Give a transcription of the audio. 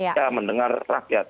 saya mendengar rakyat